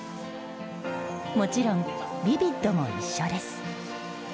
もちろんヴィヴィッドも一緒です。